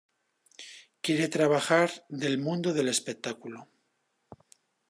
Quiere trabajar del mundo del espectáculo.